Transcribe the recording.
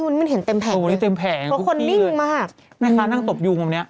อุ๊ยมันเห็นเต็มแผงเลยเพราะคนนิ่งมากในค้านั่งตบยูงแบบนี้